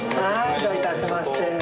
どういたしまして。